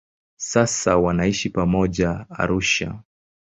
Sasa wanaishi pamoja Arusha.